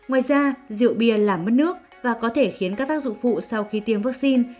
ngoài ra rượu bia làm mất nước và có thể khiến các tác dụng phụ sau khi tiêm vaccine